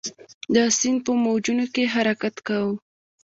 د سیند په موجونو کې حرکت کاوه.